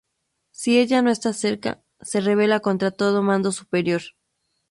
Si ella no está cerca, se rebela contra todo mando superior.